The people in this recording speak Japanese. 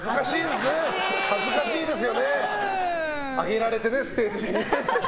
上げられてね、ステージに。